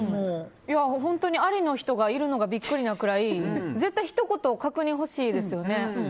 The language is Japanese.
本当にありの人がいるのがビックリなくらいひと言確認ほしいですよね。